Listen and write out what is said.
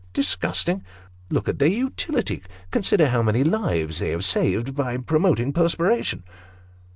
" Disgusting ! Look at their utility consider how many lives they have saved by promoting perspiration."